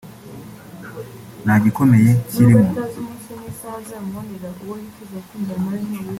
nta gikomeye kirimo